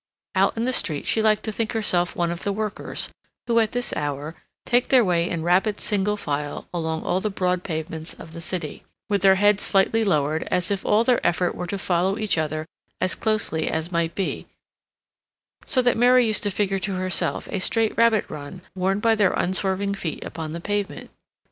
Out in the street she liked to think herself one of the workers who, at this hour, take their way in rapid single file along all the broad pavements of the city, with their heads slightly lowered, as if all their effort were to follow each other as closely as might be; so that Mary used to figure to herself a straight rabbit run worn by their unswerving feet upon the pavement.